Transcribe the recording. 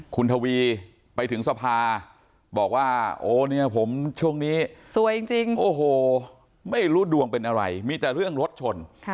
คุณทวีไปถึงสภาบอกว่าโอ้เนี่ยผมช่วงนี้สวยจริงโอ้โหไม่รู้ดวงเป็นอะไรมีแต่เรื่องรถชน